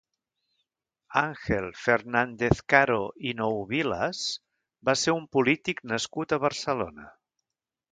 Ángel Fernández-Caro i Nouvilas va ser un polític nascut a Barcelona.